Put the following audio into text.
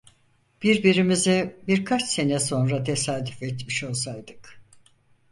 Birbirimize birkaç sene sonra tesadüf etmiş olsaydık!